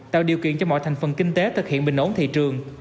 tạo điều kiện cho mọi thành phần kinh tế thực hiện bình ổn thị trường